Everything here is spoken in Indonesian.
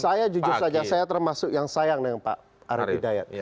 saya jujur saja saya termasuk yang sayang dengan pak arief hidayat